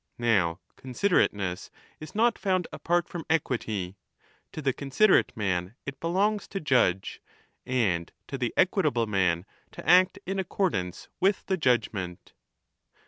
Now considerateness is not found apart from equity. To the considerate man it belongs to judge, and to the equitable man to act in accordance with the judgement.